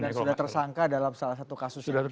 dan sudah tersangka dalam salah satu kasusnya